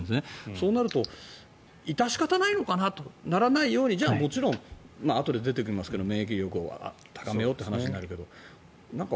そうなると致し方ないのかなとならないようにあとで出てきますけれど免疫力を高めようって話になるけど。